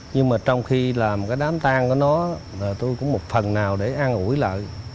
nhưng mà trong khi là một cái đám tang của nó tôi cũng một phần nào để an ủi lại